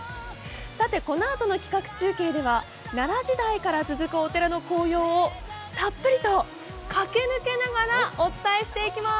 さてこのあとの企画中継では奈良時代から続くお寺の紅葉をたっぷりと駆け抜けながらお伝えしていきます。